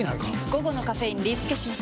午後のカフェインリスケします！